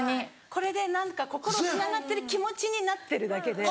これで何か心つながってる気持ちになってるだけで。